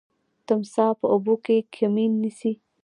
تمساح په اوبو کي کمین نیسي.